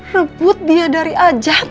rebut dia dari ajat